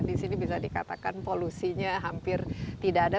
di sini bisa dikatakan polusinya hampir tidak ada